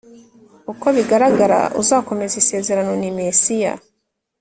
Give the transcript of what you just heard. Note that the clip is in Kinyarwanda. Uko bigaragara uzakomeza isezerano ni mesiya